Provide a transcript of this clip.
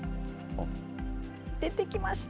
出てきました。